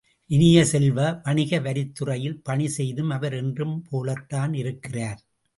இனிய செல்வ, வணிக வரித்துறையில் பணி செய்தும் அவர் என்றும் போலத்தான் இருக்கிறார்.